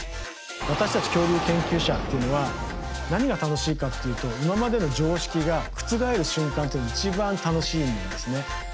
私たち恐竜研究者っていうのは何が楽しいかっていうと今までの常識が覆る瞬間っていうのが一番楽しいんですね。